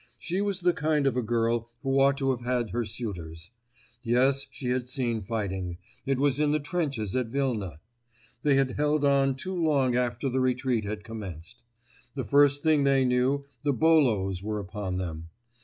She was the kind of a girl who ought to have had her suitors. Yes, she had seen fighting; it was in the trenches at Vilna. They had held on too long after the retreat had commenced. The first thing they knew, the Bolos were upon them.